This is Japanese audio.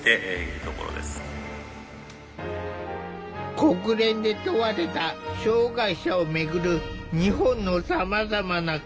国連で問われた障害者をめぐる日本のさまざまな課題。